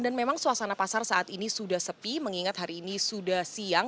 dan memang suasana pasar saat ini sudah sepi mengingat hari ini sudah siang